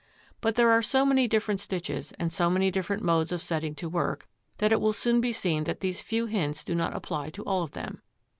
But there are so many different stitches and so many different modes of setting to work, that it will soon be seen that these few hints do not apply to all of them.